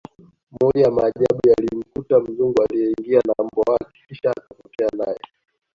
moja ya maajabu yalimkuta mzungu aliye ingia na mbwa wake kisha kapotea naye